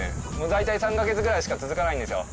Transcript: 大体３か月ぐらいしか続かないんですよ。